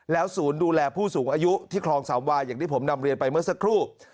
ศูนย์ดูแลผู้สูงอายุที่คลองสามวาอย่างที่ผมนำเรียนไปเมื่อสักครู่